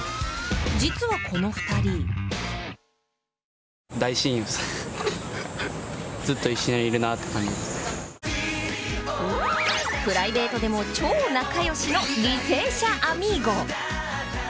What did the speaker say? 実は、この２人プライベートでも超仲よしの履正社アミーゴ。